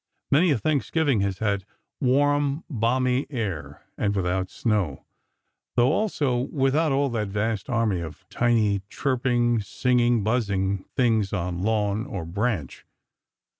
Many a Thanksgiving has had warm, balmy air, and without snow; though, also, without all that vast army of tiny chirping, singing, buzzing things on lawn or branch.